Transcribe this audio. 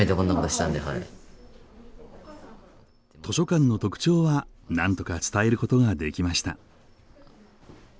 図書館の特徴はなんとか伝えることができました。